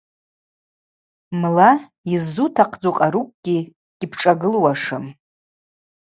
Мла йыззутахъдзу къарукӏгьи гьизыпшӏагылуашым.